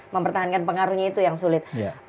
mempertahankan pengaruhnya itu yang sulit